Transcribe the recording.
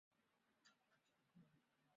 今天城隍庙的管理人仍是北门郑家裔孙。